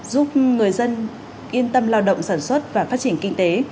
giúp người dân yên tâm lao động sản xuất và phát triển kinh tế